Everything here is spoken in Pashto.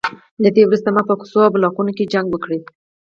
له دې وروسته ما په کوڅو او بلاکونو کې جګړه کوله